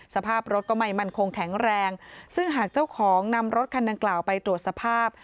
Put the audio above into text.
สภาพรถก็ไม่มั่นคงแข็งแรงซึ่งหากเจ้าของนำรถคันดังกล่าวไปตรวจสภาพ